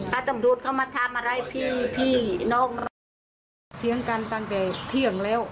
ก็ตำรูดเข้ามาทำอะไรพี่พี่น้องน้องเสียงกันตั้งแต่เที่ยงแล้ว